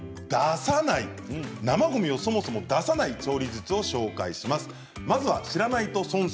生ごみをそもそも出さない調理術を紹介します。